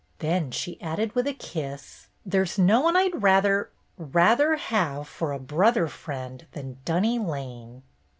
Then she added with a kiss: "There's no one I'd rather — rather have for a brother friend than Dunny Lane."